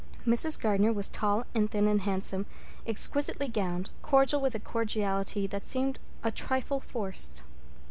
Mrs. Gardner was tall and thin and handsome, exquisitely gowned, cordial with a cordiality that seemed a trifle forced.